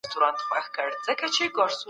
علمي تحلیل باید تل له تعصب څخه پاک وي.